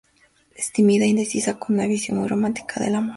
Es tímida e indecisa, con una visión muy romántica del amor.